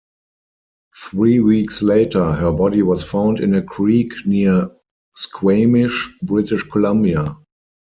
Three weeks later, her body was found in a creek near Squamish, British Columbia.